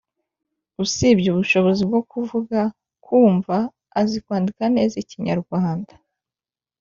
usibye ubushobozi bwo kuvuga, kumva, azi kwandika neza ikinyarwanda,